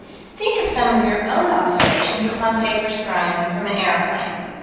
Think of some of your own observations upon papers thrown from an aeroplane.